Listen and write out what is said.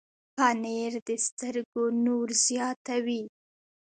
پنېر د سترګو نور زیاتوي.